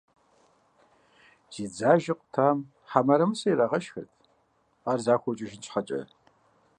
Зи дзажэ къутам хьэ мырамысэ ирагъэшхырт, ар захуэу кӏыжын щхьэкӏэ.